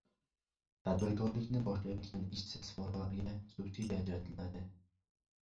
Tadbirkorlikni boshlayotgan ishsiz fuqarolarga subsidiya ajratiladi